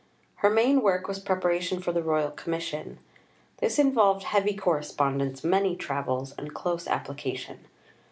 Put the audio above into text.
Her main work was preparation for the Royal Commission. This involved heavy correspondence, many travels, and close application.